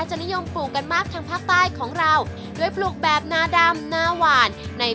วิธีการทำคืออะไรได้เข้ามาแล้ว